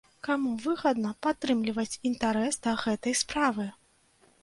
Каму выгадна падтрымліваць інтарэс да гэтай справы?